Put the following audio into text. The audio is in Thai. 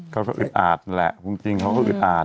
อึดอาดแหละจริงเขาก็อึดอาด